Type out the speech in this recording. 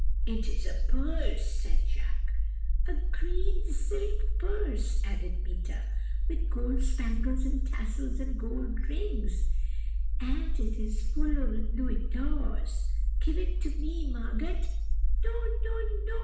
"'It is a purse!' said Jacques. "'A green silk purse,' added Meeta, 'with gold spangles and tassels, and gold rings, and it is full of louis d'ors; give it to me, Margot.' "'No, no, no!'